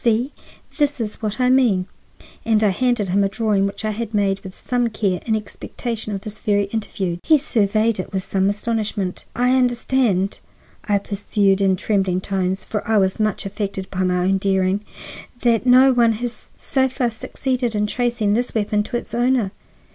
See! This is what I mean." And I handed him a drawing which I had made with some care in expectation of this very interview. He surveyed it with some astonishment. "I understand," I pursued in trembling tones, for I was much affected by my own daring, "that no one has so far succeeded in tracing this weapon to its owner.